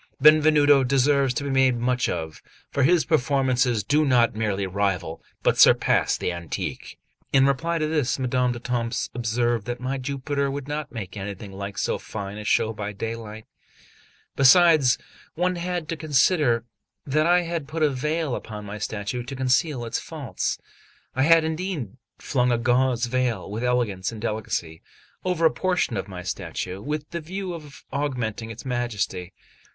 Benvenuto deserves to be made much of, for his performances do not merely rival, but surpass the antique." In reply to this, Madame d'Etampes observed that my Jupiter would not make anything like so fine a show by daylight; besides, one had to consider that I had put a veil upon my statue to conceal its faults. I had indeed flung a gauze veil with elegance and delicacy over a portion of my statue, with the view of augmenting its majesty.